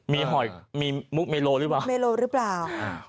มีหอยมีมุกเมโลหรือเปล่า